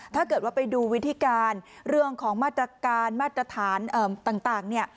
ถ้าเกิดว่าไปดูวิธีการเรื่องของมาตรการมาตรฐานต่างเนี่ย